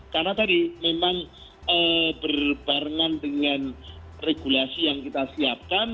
karena tadi memang berbarengan dengan regulasi yang kita siapkan